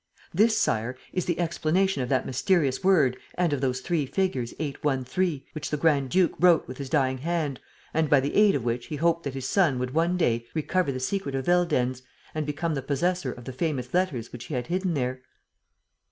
... This, Sire, is the explanation of that mysterious word and of those three figures 8, 1, 3 which the grand duke wrote with his dying hand and by the aid of which he hoped that his son would one day recover the secret of Veldenz and become the possessor of the famous letters which he had hidden there."